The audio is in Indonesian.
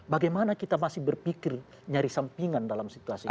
bagaimana kita masih berpikir nyari sampingan dalam situasi ini